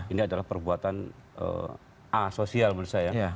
ini adalah perbuatan asosial menurut saya